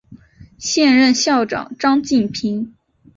现任校长为张晋平。